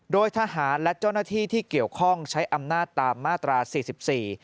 โดยทหารและเจ้าหน้าที่ที่เกี่ยวข้องใช้อำนาจตามมาตราสี่สิบสี่